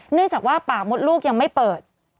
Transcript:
เนื่องจากว่าปากมดลูกยังไม่เปิด